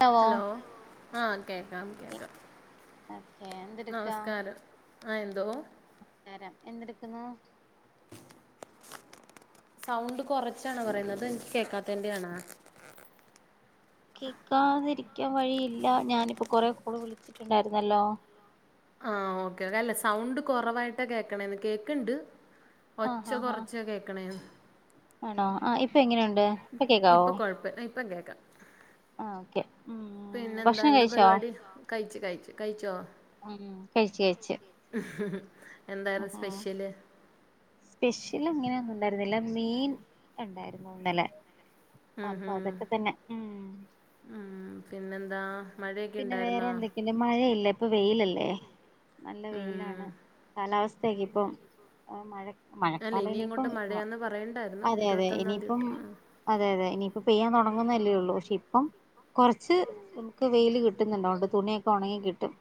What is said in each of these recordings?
ക്കാവോ hello. ആഹ് കേക്കാം കേക്കാം ഓക്കെ നമസ്കാരം ആ എന്തോ നമസ്കാരം എന്തെടുക്കുന്നു സൗണ്ട് കുറച്ചാണോ പറയുന്നത് എനിക്ക് കേക്കാത്തേയ്ണ്ടാണോ കേക്കാതിരിക്കാൻ വഴിയില്ല ഞാനിപ്പോ കൊറേ കാൾ വിളിച്ചിട്ടുണ്ടായിരുന്നല്ലോ ആഹ് ഓക്കേ തല്ലേ സൗണ്ട് കുറവായിട്ടാ കേക്കണേന്ന് കേക്ക്‌ണ്ട് ആഹാ ഹാ ആണോ ആ ഇപ്പൊങ്ങനെയുണ്ട് ഇപ്പൊ കുഴപ്പ ഇപ്പം കേക്കാ ആ ഓക്കെ ഉം പിന്നെന്താ ഭക്ഷണം എന്താ കഴിച്ചോ പരിപാടി കഴിച്ചു കഴിച്ചു കഴിച്ചോ ഉം കഴിച്ച് കഴിച്ചു ഹ് ഹ് മ് അആ സ്പെഷ്യൽ അങ്ങനെ ണ്ടായിരുന്നില്ല മീൻ ണ്ടായിരുന്നുന്നലെ ഉം അപ്പൊ ഹും. അതൊക്കെ തന്നെ ഉം ഉം, പിന്നെന്താ മഴയൊക്കെ പിന്നെ ഉണ്ടായിരുന്നോ വേറെന്തൊക്കെയണ്ട് മഴയില്ലേ പ്പൊവെയിലല്ലേ നല്ല ഉം. വെയിലാണ് കാലാവസ്ഥയൊക്കെപ്പം മഴ അല്ല ഇനി മഴക്കാലനിയിപ്പം ഇങ്ങോട്ട് വ മഴയാന്ന് പറയണ്ടായിരുന്നു അതെ അതെ ഇരുപത്തൊന്നാം തീയതി ഇനിയിപ്പം തൊട്ട് ഉം. അതെ അതെ ഇനിയിപ്പ പെയ്യാൻ തുടങ്ങുന്നല്ലേള്ളൂ പക്ഷെ ഇ പ്പം കൊറച്ച് നമുക്ക് വെയില് കിട്ടുന്നുണ്ട് അതോണ്ട് തുണിയൊക്കെ ഉണങ്ങി കിട്ടും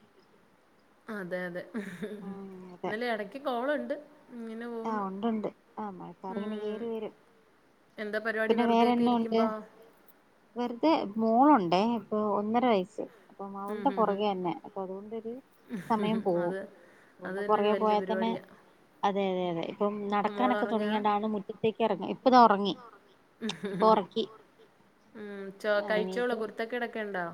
അതെ അതെ ഉഹും ഉം അതെ ഇന്നാലെടക്ക് കോളുണ്ട് ഇങ്ങനെ ആഹ് പോകുന്നു. ഉണ്ടുണ്ട് ആ മഴക്കാറിങ്ങനെ കേറി വരും എന്താ പരിപാടി പിന്നെ വെറുതെയൊക്കെ വേറെന്ന ഉണ്ട് ഇരിക്കുമ്പോ? വെറുതെ മോളുണ്ടേ ഇപ്പോൾ ഒന്നര വയസ്സ് അപ്പൊ അവളുടെ ഹ്. പുറകെന്നെ അപ്പൊ അതുകൊണ്ടൊരു സമയം ഹ്. പോവും അത് അത് ഇവൾടെ തന്നെ ഒരു പുറകേ വല്യ പോയാതന്നെ പരിപാടിയാ. അതെ അതെ അതെ ഇപ്പം ഇപ്പൊ നടക്കാനൊക്കെ മോളൊറങ്ങാ? തുടങ്ങിയണ്ടാണ് മുറ്റത്തേക്ക് ഇറങ്ങ ഇപ്പതാ ഉറങ്ങി ഇപ്പൊറക്കി ഉം ചോ കഴിച്ചോളോ കുരുത്തക്കേടൊക്കെ ഉണ്ടോ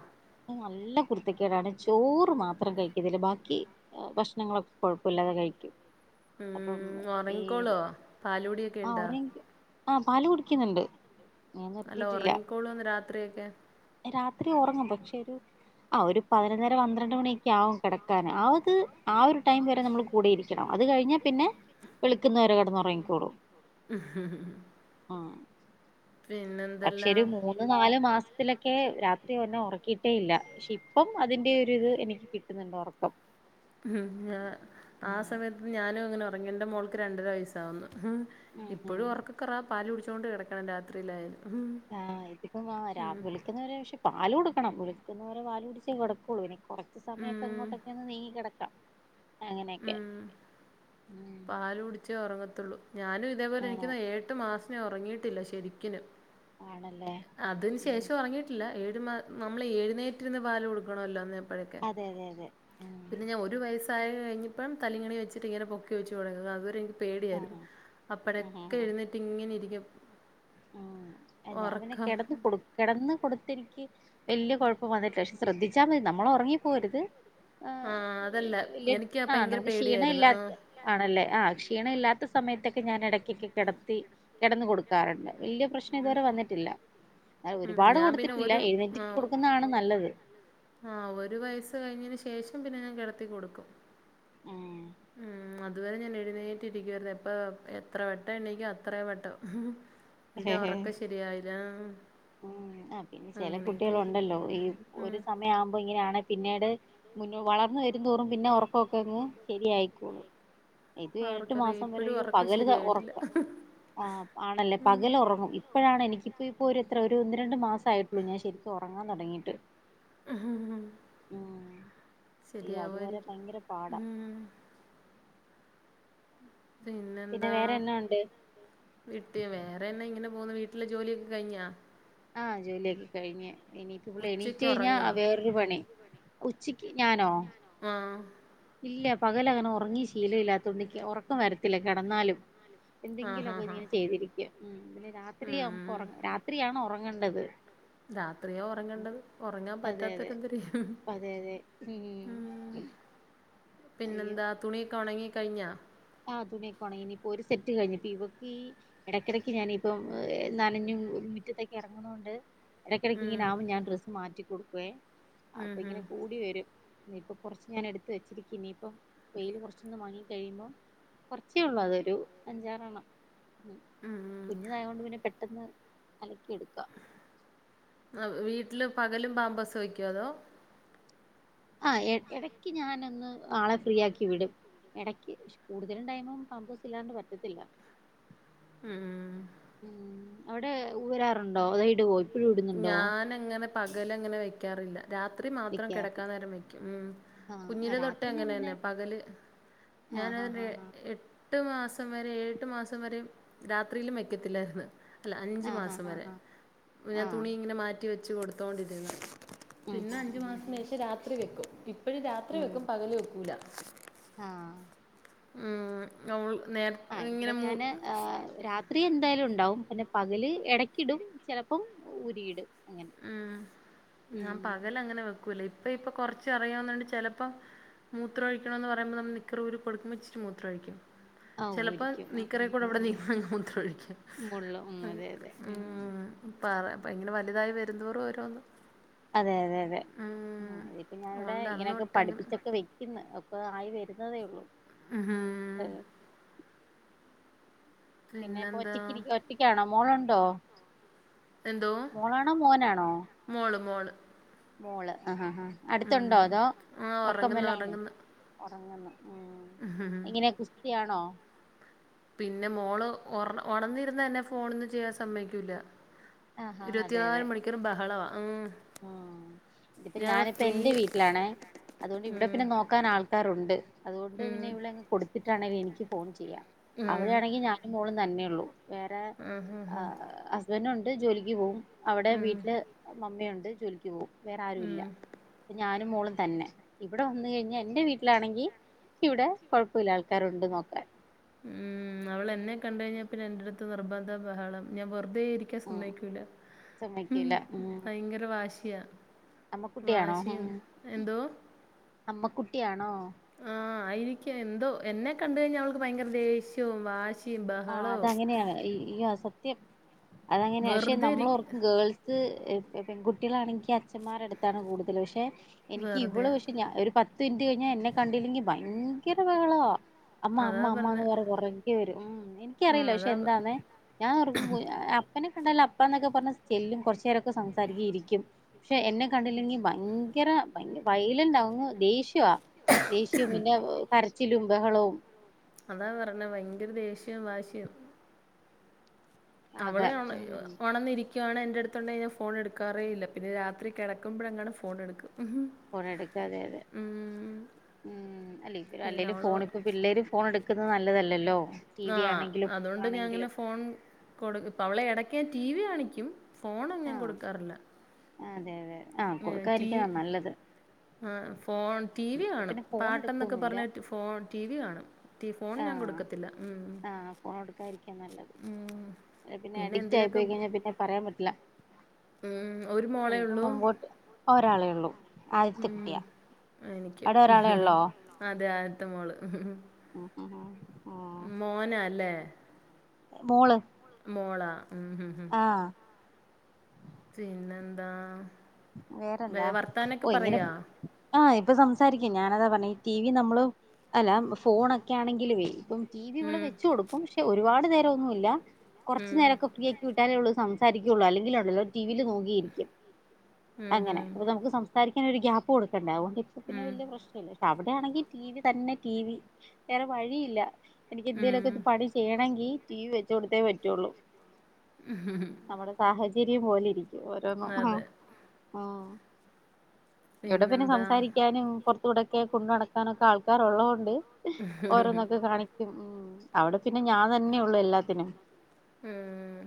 ടാണ് ചോറ് മാത്രം കഴിക്കതില്ല ബാക്കി ഭക്ഷണങ്ങളൊക്ക കുഴപ്പല്ലാതെ കഴിക്കും അപ്പം ഈ ഒറങ്ങിക്കോളോ? പാലുടിയൊക്കെ ആ ഓ ഇണ്ടാ? ആ പാല് കുടിക്കുന്നുണ്ട് ഞാൻ അല്ല നിർത്തിയിട്ടില്ല ഉറങ്ങിക്കോളോന്ന് രാത്രിയൊക്കെ രാത്രി ഒറങ്ങും പക്ഷെ ഒരു ആ ഒരു പതിനൊന്നര പന്ത്രണ്ട് മണിയൊക്കെയാവും കിടക്കാൻ അവക് ആ ഒരു ടൈം വരെ നമ്മൾ കൂടെ ഇരിക്കണം അത് കഴിഞ്ഞാൽ പിന്നെ വെള്ക്കുന്നവരെ കെടന്നൊറങ്ങിക്കോളും ഉംഹു ഹ്‌ ആ പക്ഷെ ഒരു മൂന്ന് നാലു മാസം ത്തിലൊക്കെ രാത്രി എന്നെ ഉറക്കിയിട്ടേ ഇല്ല പക്ഷെ ഇപ്പം അതിന്റെറെ ഒരു ഇത് എനിക്ക് കിട്ടുന്നുണ്ട് ഉറക്കം ഹും ആ ആ ഉം സമയത്ത് ഞാനുംങ്ങനെ ഉറങ്ങേണ്ട ന്റെ മോൾക്ക് രണ്ടര വയസാവുന്നു ഉം ഉം ഇപ്പോഴും ഉറക്കകുറവപാല് കുടിച്ചുകൊണ്ട് കിടക്കണം രാത്രിയിലായാലും ഉം ആഹ് ഇതിപ്പ ആ ഉം രാവെളുക്കുന്നവരെപക്ഷെ പാല കൊടുക്ക ണം വെളുക്കുന്നവരെ വാല് കുടിച്ചേ കിടക്കുള്ളു പിന്നെ കുറച്ച് സമയൊക്കെ ഉം ഇങ്ങോട്ടൊക്കെ ഒന്ന് നീങ്ങി കിടക്കാം അങ്ങനെയൊക്കെ ഉം പാല കുടിച്ചേ ഉറങ്ങത്തുള്ളൂ ഞാനും ഇതേപോലെ ആഹ് എനക്ക് എഴഏട്ട് മാസം ഞ ഉറങ്ങിയിട്ടില്ല ശരിക്കന് ആണല്ലേ അതിന് ഉം ശേഷം ഉറങ്ങിട്ടില്ല ഏഴ നമ്മൾ എഴുന്നേറ്റിരുന്ന് പാല് കൊടുക്കണല്ലോന്ന് അതെ അതെ അതെ ഉം അതൊക്കപിന്നെ ഞാൻ ഒരു വയ സായ കഴിഞ്ഞപ്പം തലിണി വച്ചിട്ട് ഇങ്ങന പൊക്കെച്ച്ടുക അതുവരെനിക്ക് പേടിയായിരുന്നു ആഹ് അപ്പഴൊക്കെ എഴുന്നേറ്റ്ഇങ്ങനെ ഇരിക്കും ഉ ഞാൻ പിന്നെ ഉറക്കം കിടന്ന് കൊടു കിടന്ന് കൊടു എനിക്ക് വലിയ കുഴപ്പം വന്നിട്ടില്ല പക്ഷെ ശ്രദ്ധിച്ചാൽ മതി നമ്മള ഉറങ്ങിപ്പോരുത് ആ ആഹ് അതല്ല വലിയ എനിക്ക് ആ് ഭയങ്കര നമുക്ക് ക്ഷീണം പേടിയായിരുന്നു ആഹ് ഇല്ലാത്ത ആണല്ലേ ആ ക്ഷീണം ഇല്ലാത്ത സമയത്തൊക്കെ ഞാൻ ഇടയ്ക്കൊക്കെ കിടത്തി കിടന്നു കൊടുക്കാറുണ്ട് വല്ല്യ പ്രശ്നം ഇതുവരെ വന്നിട്ടില്ല ഉം ഒരുപാട് ഞാൻ പിന്നെ കൊടുത്തിട്ടില്ല ഒരു എഴുന്നേറ്റിട്ട് കൊടുക്കുന്നതാണ് നല്ലത് ആ ഒരു വയസ്സ് കഴിഞ്ഞന് ശേഷം പിന്നെ ഞാൻ കിടത്തി കൊടുക്കും ഉം ഉം അതുവരെ ഞാൻ എഴുന്നേറ്റിരിക്കായിരരുന്നു ഇപ്പം എത്ര വട്ടം എണീക്കും അത്രയും വട്ടം എന്റെ ഉറക്കെ ശെരിയായില്ല ഉം ആ പിന്നെ ചില കുട്ടികൾ ഇരിക്കും ഉണ്ടല്ലോ ഈ ഉം ഒരു സമയം ആവുമ്പോ ഇങ്ങനെയാണ പിന്നീട് മുന്ന വളർന്ന വരും തോറും പിന്നെ ഉറക്കമൊക്കെ അങ്ങ് ശരിയയിക്കോളു ഇത് എട്ട് ആർക്കറിയാം മാസം വരേ ഇപ്പോഴും അയ്യോ ഉറക്കം പകല് ശരിയായിട്ടില്ല ഒറക്ക ആ ആണല്ലേ പകല് ഒറങ്ങും ഇപ്പഴാണ് എനിക്കിപ്പോ ഇപ്പ ഒരു എത്ര ഒരു ഒന്ന് രണ്ട് മാസ ആയിട്ടുള്ളൂ ഞാൻ ശരിക്കും ഉറങ്ങാൻ തുടങ്ങയിട്ട് ഹ ഹ ഹ അയ്യോ അതുവരെ ശരിയാവുആയിരിക്കും ഭയങ്കര പാടാ ഉം പിന്നെ പിന്നെന്താ വേറെ എന്നാ ഉണ്ട് വിട്ടിയ വേറെന്നെ ഇങ്ങനെ പോ മോളവീട്ടില് ജോലിയൊക്കെ കഴിഞ്ഞാ ആഹ് ജോലിയൊക്ക കഴിഞ്ഞ ഇനിപ്പ ഇവള്എണീറ്റ് ഉച്ചക്ക് കഴിഞ്ഞാ ഉറങ്ങാ വേറൊരു പണി ഉച്ചക്ക് ഞാനോ ആ ഇല്ല പകലങ്ങനെ ഉറങ്ങി ശീല ഇല്ലാത്തണ്ട് ഇനിക്ക് ഉറക്കം വരത്തില്ല കിടന്നാലും ആഹ് എന്തെങ്കിലുമൊക്കെ ആഹ് ആഹ് ഇങ്ങനെ ചെയ്തിരിക്കും പിന്നെ രാത്രി ഉം നമു രാത്രിയാണ് ഉറക്കം ങ്ങണ്ടത് രാത്രിയാ ഉറങ്ങേണ്ടത് ഉറങ്ങാൻ അതെ അതെ പറ്റാത്തവരെന്തര് ചെയ്യും അതെ അതെ ഉം ഉം പിന്നെന്താ തുണിയൊക്കെ ഉണങ്ങി കഴിഞ്ഞാ ആ തുണിയൊകൊണങ്ങി ഇനിയിപ്പോൾ ഒരു സെറ്റ് കഴിഞ്ഞു ഇപ്പോൾ ഇവക്ക് ഈ ഇടയ്ക്കിടയ്ക്ക് ഞാനിപ്പം ഏ നനഞ്ഞും മുടറ്റത്തേക്ക് ഇറങ്ങുണോണ്ട് ഇടയ്ക്കിടക്ക് ഉം ഇങ്ങനെ ആകും ഞാൻ ഡ്രസ്സ് മാറ്റി കൊടുക്കുവേ ഉം അപ്പൊ ഉം ഇങ്ങനെ കൂടി വരും ഇനിയിപ്പൊ കൊറച്ച് ഞാൻ എടുത്ത് വെച്ചിരിക്ക ഇനിയിപ്പൊ വെയിയില് കുറച്ചൊന്ന് മങ്ങി കഴിയുമ്പോ കൊർച്ചേ ഉള്ളൂ അതൊരു അഞ്ചാറണ്ണം ഉം ഉം കുഞ്ഞിനായ കൊണ്ട് പിന്നെ പെട്ടെന്ന്. അലക്കി എടുക്കാം വീട്ടില് പകലും പാമ്പസ് വയ്ക്കോ അതോ ആ ഇടക്ക് ഞാനൊന്ന് ആളെ ഫ്രീ ആക്കി വിടും ഇടക്ക് കൂടുതലുംടൈമും പമ്പോസ് ഇല്ലാണ്ട് പറ്റത്തില്ല ഉം ഉം അവിടെ ഊരാറുണ്ടോ അതേടുവോ ഞാനങ്ങനെ പകലങ്ങനെ വെക്കാറില്ല രാത്രി മാത്രം വെക്കാറില്ല കിടക്കാൻ നേരം വെക്കും ഉം ആ കുഞ്ഞില തൊട്ടേ രാത്രി ഞാൻ പിന്നെ അങ്ങനെന്നെ പകല് ആ ഞാന ഹാ അതിനെ ഹാ എ ഹാ എട്ട് മാസം വരെ എഴുഏട്ട് മാസം വരെ രാത്രിയിലും വെക്കത്തില്ലായിരുന്നു അല്ല അഞ്ചു ആ ഹാ മാസം ഹാ വരെ ഹാ ഞാൻ ആ തുണി ഇങ്ങനെ മാറ്റി വെച്ച് കൊടുത്തോണ്ടിരുന്നു ഉം പിന്നെ ഉം അഞ്ചു ഉം മാസത്തിന് ഉം ശേഷം രാത്രി വെക്കും ഇപ്പഴു രാത്രി ഉം വെക്കും പകല് വെക്കൂല ആ ഉം ഓൾ ആ ഇവിടെ ഞൻ രാത് ത്രി എന്തായാലും ഉണ്ടാവും പിന്നെ പകല് എടക്കിടും ചിലപ്പം ഊരിയിടും അങ്ങനെ ഉം ഉം ഞാൻ പകലങ്ങനെ വെക്കൂല്ല ഇ ഇപ്പ ഇപ്പൊ കൊറച്ച അറിയാവന്നോണ്ട് ചെലപ്പോ മൂത്ര ഒഴിക്കണ എന്ന് പറയുമ്പോ നമ്മ നിക്കറൂരി കൊടുക്കുമ്പോ ഇ ച്ചിരിമൂത്രം ഒഴിക്കും ആഹ് ചെലപ്പോ ഊരിക്കും ആഹ് നിക്കറീ ആഹ് കൂടെ അവിടെ ആഹ് നിന്നങ്ങു മൂത്രം ഒഴിക്കും മുള്ള് ഉം അതെ അതെ ഉം പറ അപ്പ ഇങ്ങനെ വലുതായി വരുന്തോറും ഓരോന്ന് അതെയതെയതെ ഉം ഇപ്പൊ ഞാനിവിടെ അതുകൊണ്ട് അന്ന് ഇങ്ങനെയൊക്കെ തൊട്ട് അങ്ങനെ പഠിപ്പിച്ചൊക്കെ വെക്കുന്നു. പ്പൊ ആയി വരുന്നതേ ഉള്ളൂ മ്മ് ഏഹ് പിന്നെ ഇപ്പൊ പിന്നെന്താ ഒറ്റക്കിരിക്ക ഒറ്റക്കണോ മോളുണ്ടോ എന്തോ മോളാണോ മോനാണോ മോള് മോള് മോള് അഹഹ ഉം അടുത്തണ്ടോ അതോ ആഹ് ഉറക്കം ഒറങ്ങുന്ന് വല്ലോം ആണോ ഉം ഒറങ്ങുന്ന് എങ്ങനെ കുസ്തിയാണോ പിന്നെ മോള് ഉണന്നിരുന്ന എന്നെ ഫോണോന്നും ചെയ്യാൻ സമ്മതി ക്കൂല്ല ഇരുപത്തിനാലു മണിക്കൂറും ബഹളവാ ഉം ആ ഇപ്പ ഞാൻ ഞാനിപ്പോ ഫ്രീ എന്റെ വീട്ടിലാണേ അതുകൊണ്ട് ഉം ഇവിടെ പിന്നെ നോക്കാൻ ആൾക്കാരുണ്ട് അതുകൊണ്ട് ഉം പിന്നെ ഇവിടെങ് കൊടുത്തി് ഇവിടാണെങ്കിൽ എനിക്ക് ഫോൺ ചെയ്യാം ഉം അവിടെയാണെങ്കിൽ ഞാനും മോളും തന്നെ ഉള്ളൂ. വേറെ ആഹ് ആഹ് ഹസ്ബൻഡ് ഉണ്ട് ജോലിക്ക് പോകും അവിടെ ഉം വീട്ടില് മമ്മയുണ്ട്. ജോലിക്ക് പോകും വേറെ ആരുല്ല ഉം ഞാനും മോളും തന്നെ ഇവിടെ വന്നു കഴിഞ്ഞ എന്റെ വീട്ടിലാണെങ്കിൽ നിക്ക് ഇവിടെ കൊഴപ്പമില്ല ആൾക്കാരുണ്ട് നോക്കാൻ ഉം അവള് എന്നെ കണ്ട് കഴിഞ്ഞാ ൽ പിന്നെ എന്റടുത്ത് നിർബന്ധ ബഹളം ഞാൻ വെറുതെ ഇരിക്കാൻ ഉം സമ്മയിക്കൂല്ല സമ്മയ്ക്കൂല്ല ഉം ഭയങ്കര വാശിയാ അമ്മക്കുട്ടിയാണോ വാശിയും എന്തോ അമ്മക്കുട്ടിയാണോ ഉം ആ ആയിരിക്കും എന്തോ എന്നെ കണ്ട കഴിഞ്ഞാൽ അവൾക്ക് ഭയങ്കര ദേഷ്യവും വാശിയും ആ ബഹളവും അതങ്ങനെയാണ് യ്യോസത്യം അതങ്ങനെയ പക്ഷെ വെറുതെ ഇരി നമ്മളോർക്കും ഗേൾസ് പെൺകുട്ടികളാണെങ്കിൽ അച്ഛന്മാരുടെ അടുത്താണ് കൂടുതൽ പക്ഷെ എനിക്ക് ഇവള് വെറുതെയാ പക്ഷെ ഒരു പത്ത് തിന് കഴിഞ്ഞ എന്നെ കണ്ടില്ലെങ്കി ഭയങ്കര ബഹളമാ അമ്മ അതാ അമ്മ പറഞ്ഞെ അമ്മമാന്ന് പറഞ്ഞു പൊറകെ വരും ഉം എനിക്കറിയില്ല പക്ഷെ അതാ എന്താന്നേ ഞാൻ ഉറങ്ങുമ്പോ അപ്പൻ - എന്നെ കണ്ട അപ്പാന്നോ ക്കെ പറഞ്ഞ ചെല്ലും കുറച്ചേരൊക്കെ സംസാരിക്കും ഇരിക്കും പക്ഷെ എന്നെ കണ്ടില്ലെങ്കിൽ ഭയങ്കര- ഭയങ്കര വയലന്റാവും ദേഷ്യ ആ ദേഷ്യവും പിന്നെ കരച്ചിലും ബഹളവും അതാ പറഞ്ഞ ഭയങ്കര ദേഷ്യംവും വാശിയും അവള് ആകെ ഉം ഉണന്നിരിക്ക ക്കാണ് എന്റടുത്തുണ്ടെങ്കിൽ ഞാൻ ഫോൺ എടുക്കാറേയില്ല പിന്നെ രാത്രി കിടക്കുമ്പോഴെങ്ങാണ് ഫോണ് എടുക്കുക ഫോൺ എടുക്കാതെ അതെ ഉം അല്ലേ ഇ പിന്നെ അല്ലേലും അവള് ഫോൺ ഇപ്പ പിള്ളേരും ഫോൺ എടുക്കുന്നത് നല്ലതല്ലല്ലോ ടി ആ വി ആണെങ്കിലും അതുകൊണ്ട് ഞാനങ്ങനെ ആണെങ്കിലും ഫോൺ കൊടുക്ക് ഇപ്പ അവളെ ഇടക്ക് ഞാൻ ടി വി കാണിക്കും. ഫോൺ ഒന്നും ഞാൻ ആഹ് കൊടുക്കാറില്ല. അതെ അതെ ആഹ് ഏ റ്റി കൊടുക്കാതിരിക്കുന്നതാ നല്ലത് ആ ഫോൺ ടി വി ഇവിടെ കാണും. പിന്നെ ഫോൺ പാട്ട് എന്നൊക്കെ എടുക്കൊന്നുല്ല പറഞ്ഞിട്ട് ഫോൺ ടി വി കാണും. ടി ഫോൺ ഞാൻ ആഹ് കൊടുക്കത്തില്ല. ഉം ആഹ് ഫോൺ കൊടുക്കാതിരിക്കാ നല്ലത് ഉം പിന്നെ അഡിക്റ്റ് ആയി പോയി കഴിഞ്ഞാൽ പിന്നെ പറയാൻ പറ്റില്ല. ഉം. ഒരു മോളേ ഉള്ളൂ. ഇപ്പമുമ്പോട്ട് ഒരാളേ ഉള്ളൂ. ആദ്യത്തെ ഉം. കുട്ടിയാ എനിക്കും. അവിടെ ഹു ഒരാളെ ഹു ഉള്ളോ അതെ ആദ്യത്തെമോള് ഉം ഹു മോനാ അല്ലേ? മോള് മോളാ. ഉം. ഹും. ഹും. ആ പിന്നെന്താ? വേ വേറെന്താ വർത്താനൊക്കെ ഓ ഇങ്ങനെ പറയോ? ആ ഇപ്പൊ സംസാരിക്കും ഞാനതാ പറഞ്ഞത് ഈ ടി വി നമ്മള് അല്ല ഫോണൊക്കെ ആണെങ്കിലേ ഇപ്പം ടി വി ഇവിടെ ഉം. വെച്ച് കൊടുക്കും. പക്ഷെ ഒരുപാട് നേരം ഒന്നുമില്ല ഉം. കുറച്ച്നേരമെക്കെ ഫ്രീ ആക്കി വിട്ടാലേ സംസാ സംസാരിക്കുള്ളു. അല്ലെങ്കിലുണ്ടല്ലോ ടിവിയില് നോക്കിയിരിക്കും ഉം. അങ്ങനെ. ഹും. നമ്മുക്ക് സംസാ ഒരു ഗ്യാപ്പ് കൊടുക്കണ്ടേ. അ തുകൊണ്ട് ഇപ്പ പിന്നെ ഉം. വലിയ പ്രശ്നമില്ല. അ അണെങ്കിൽ ടി വി തന്നെ ടി വി വേറെ വഴിയില്ല. എനിക്ക് ഉം. എന്തേലുമൊക്കെ പണി ചെയ്യണമെങ്കി ടി വി വെച്ചു കൊടുത്തേ പറ്റുള്ളൂ. ഉംഹും ചരിയും പോലെ ഇരിക്കും ഓരോന്നും. ആഹ് ഇവിടെ പിന്നെ പിന്നെന്താ? സംസാരിക്കാനും പുറത്തൂടൊക്കെ കൊണ്ടു നടക്കാനൊക്കെ ആൾക്കാരുള്ളത് കൊണ്ട് ഓരോന്നൊക്കെ കാണിക്കും. ഉം. അവിടെ പിന്നെ ഞാൻ തന്നെയുള്ളു എല്ലാത്തിനും. ഉം.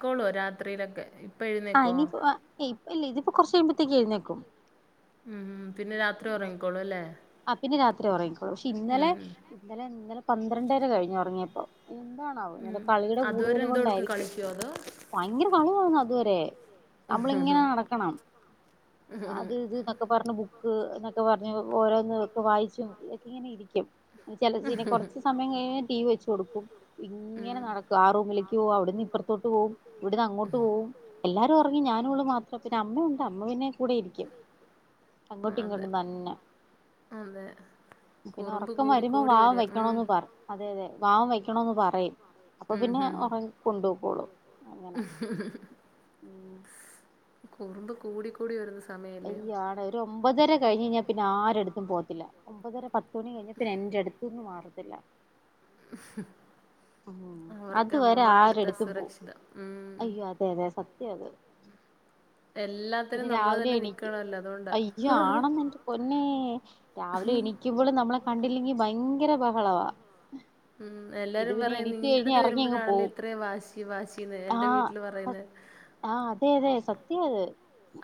ക്കോളോ രാത്രിയിലൊക്കെ? ആ എഴുന്നേക്കോ? ഇനിയിപ്പോ ആ ഏ ഇല്ല ഇതിപ്പോ കുറച്ചു കഴിയുമ്പത്തേക്ക് എഴുന്നേക്കും. ഉം. പിന്നെ രാത്രി ഉറങ്ങിക്കോളൂ അല്ലേ? ആ പിന്നെ രാത്രി ഉറങ്ങിക്കോളൂ. പക്ഷെ ഇന്നലെ ഉം. ഇന്നലെ ഇന്നലെ പന്ത്രണ്ടര കഴിഞ്ഞു ഉറങ്ങിയപ്പോ. എന്താണാവോ ഇന്നലെ ഉം കളിയുടെ അതുവരെ കൂടുതൽ എന്തോ എടുക്കും കൊണ്ടായിരിക്കും. കളിക്കോ അതോ ഭയങ്കര കളിയാന്ന്അതുവരെ. നമ്മളിങ്ങനെ നടക്കണം. അത് ഇത് എന്നൊക്കെ പറഞ് ബു- എന്നൊക്കെ പറഞ്ഞ് ഓരോന്ന് ഒക്കെ വായിച്ചും ഇതൊക്കെ ഇങ്ങനെ ഇരിക്കും. ചില ഇനി കുറച്ച് സമയം കഴിഞ്ഞ് ടി. വി വെച്ച് കൊടുക്കും. ഇങ്ങനെ ഉം നടക്കും ആ റൂമിലേക്ക് പോവും. ഇവിടുന്ന് ഇപ്പറത്തോട്ട് പോകവും. ഇവിടന്ന് അങ്ങോട്ട് പോവും. എല്ലാരും ഉറങ്ങി ഞ ഞാനും ഇവളുമാത്രമാ. പിന്നെ അമ്മുണ്ട് അമ്മ പിന്നെ കൂടെ ഇരിക്കും. അങ്ങോട്ടും അതെ ഇങ്ങോട്ടും തന്നെ. അതെ പിന്നെ കുറുമ്പ് ഉറക്കം വരുമ്പോ കൂടിക്കൂടി വാവ വരിക ഉം വെക്കണന്ന് പറയും. അതെ അതെ വാവം വെക്കണന്ന് പറയും. അപ്പൊ ഉം പിന്നെ ഉം ഉറങ്ങി കൊണ്ടുപോക്കോളും. അങ്ങനെ. കുറുമ്പ് കൂടി കൂടി വരു അയ്യോ ആണ് ഒരു ഒമ്പതര കഴിഞ്ഞ് കഴിഞ്ഞാൽ പിന്നെ ആരുടെടുത്തും പോകത്തില്ല ഒമ്പതര പത്ത്മണി കഴിഞാപിന്നെ എന്റെ അടുത്തൂന് മാറത്തില്ല. അവർക്ക് അതുവരെ ആരുടെ അമ്മമാരടുത്ത് എടുത്തു പോവും. അസുരക്ഷിതം ഉം അയ്യോ അതെ അതെ സ ത്യത്. എല്ലാത്തിനും നമ്മള് തന്നെ നിക്കണല്ലോ? അതുകൊണ്ടാ അയ്യോ ആണന്ന് എന്റെ പൊന്നേ രാവിലെ എണിക്കുമ്പോൾ നമ്മളെ കണ്ടില്ലെങ്കിൽ ഭയങ്കര ബഹളവാ. ഉം. ഇത് എല്ലാരും പിന്നെ പറയും എണീറ്റ് നിന്റെ കഴിഞ്ഞാ അടുത്ത് എറങ്ങി അങ്ങ് വരുമ്പോഴാണല്ലേ പോവും ഇത്രയും വാശി വാശീന്ന് എന്റെ വീട്ടില് പറയന്ന് ആ അതെ അതെ സത്യ അത്.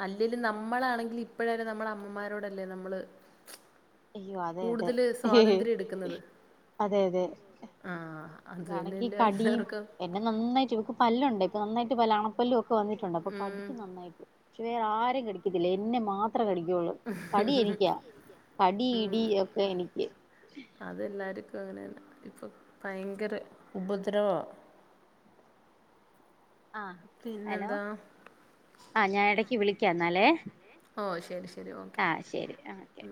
അല്ലെേലും നമ്മളാണെങ്കിൽ ഇപ്പഴയാലും നമ്മടെ അമ്മമാരോടല്ലേ നമ്മള് അയ്യോ അതെ അതെ കൂടുതല് സ്വാതന്ത്ര്യം എടുക്കുന്നത് അതെ അതെ ആഹ് അത് ഇതാണെങ്കി തന്നെയല്ലേ കടിയും എല്ലാർക്കും എന്നെ നന്നായിട്ട് ഇവക്ക് പല്ലും ഉണ്ടേ ഇപ്പൊ നന്നായിട്ട് പല്ല് അണപ്പല്ലും ഒ ക്കെ വന്നിട്ടുണ്ട് അപ്പൊ ഉം കടിക്കും നന്നായിട്ട് പക്ഷെ വേറെ ആരെയും കടിക്കത്തില്ല എന്നെ മാത്ര ത്ര കടിക്കുവൊള്ളൂ കടി എനിക്കാ കടി ഉം ഇടി ഒക്കെ എനിക്ക് അങ്ങനെതന്നെ ഇപ്പൊ ഭയങ്കര ഉപദ്രവവാ ആ ഹലോ ആ ഞാൻ ഇടക്ക് വിളിക്കാം എന്നാലെ ഓഹ് ശരി ശരി ഓക്കെ ആ ശരി ആ ഓക്കെ